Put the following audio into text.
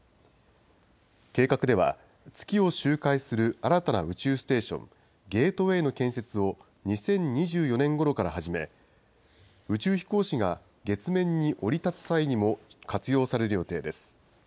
計画では、月を周回する新たな宇宙ステーション、ゲートウェイの建設を２０２４年ごろから始め、宇宙飛行士が月面に降り立つ際にも活用される予定です。